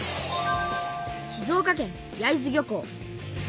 静岡県焼津漁港。